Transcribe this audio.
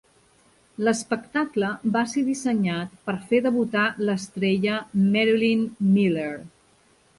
L'espectacle va ser dissenyat per fer debutar l'estrella Marilyn Miller.